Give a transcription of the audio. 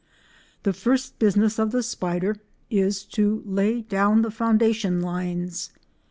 ] The first business of the spider is to lay down the foundation lines.